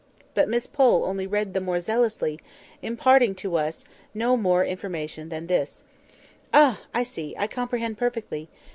But Miss Pole only read the more zealously, imparting to us no more information than this— "Ah! I see; I comprehend perfectly.